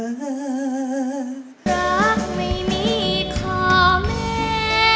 รักไม่มีขอแม่